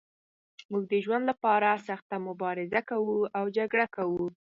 موږ د ژوند لپاره سخته مبارزه کوو او جګړه کوو.